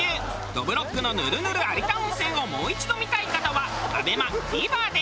どぶろっくのヌルヌル有田温泉をもう一度見たい方はＡＢＥＭＡＴＶｅｒで。